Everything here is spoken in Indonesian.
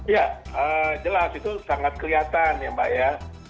ya jelas itu sangat kelihatan ya mbak ya